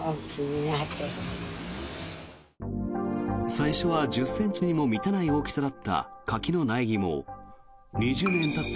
最初は１０ｃｍにも満たない大きさだった柿の苗木も２０年たった